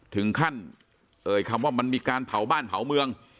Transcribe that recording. ถึงขั้นเอ่ยคำว่ามันมีการเผาบ้านเผาเมือง